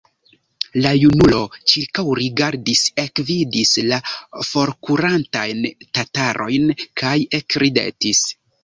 La junulo ĉirkaŭrigardis, ekvidis la forkurantajn tatarojn kaj ekridetis.